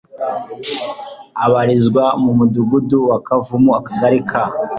abarizwa mu Mudugudu wa Kavumu Akagari ka